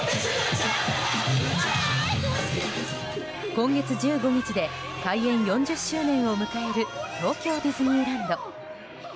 今月１５日で開園４０周年を迎える東京ディズニーランド。